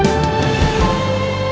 lu udah ngapain